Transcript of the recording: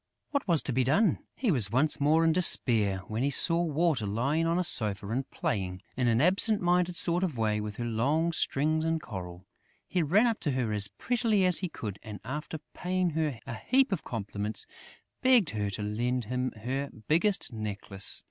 What was to be done? He was once more in despair, when he saw Water lying on a sofa and playing, in an absent minded sort of way, with her long strings of coral. He ran up to her as prettily as he could and, after paying her a heap of compliments, begged her to lend him her biggest necklace.